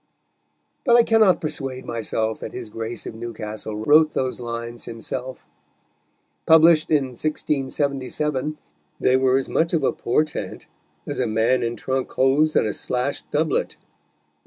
But I cannot persuade myself that his Grace of Newcastle wrote those lines himself. Published in 1677, they were as much of a portent as a man in trunk hose and a slashed doublet.